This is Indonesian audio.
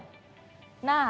nah penting juga ya